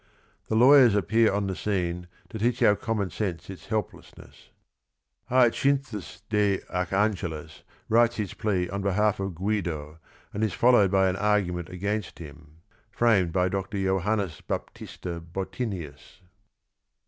The lawyers appear on the scene " to teach our common sense its helplessness." Hy_ acinthus de Archangelis writes his plea o n behalf of Guido, and is followed by an argument against himTframed by Dr. Johannes baptista iiottmius.